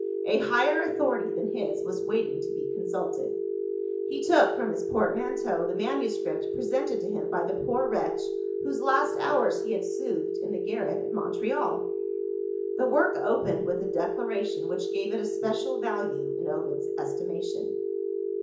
A higher authority than his was waiting to be consulted. He took from his portmanteau the manuscript presented to him by the poor wretch, whose last hours he had soothed in the garret at Montreal. The work opened with a declaration which gave it a special value, in Ovid's estimation.